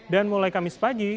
dan mulai kamis pagi